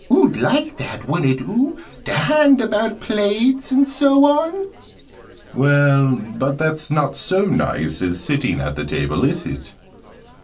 Oo'd like that, wouldn't oo? To hand about plates, and so on." "Well, but that's not so nice as sitting at the table, is it?"